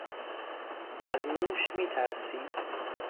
از موش میترسی؟